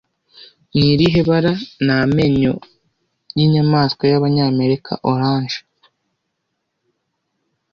Ni irihe bara ni amenyo y'inyamanswa y'Abanyamerika Orange